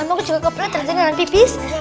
sama aku juga kepala terancam dengan pipis